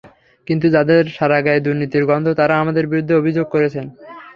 কিন্তু যাদের সারা গায়ে দুর্নীতির গন্ধ, তারা আমাদের বিরুদ্ধে অভিযোগ করছেন।